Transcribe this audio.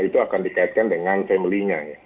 itu akan dikaitkan dengan family nya